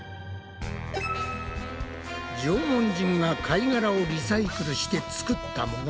縄文人が貝がらをリサイクルしてつくったもの。